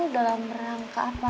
dalam rangka apa